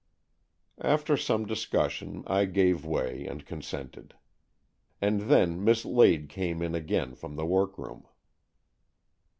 After some discussion, I gave way and consented. And then Miss Lade came in again from the workroom.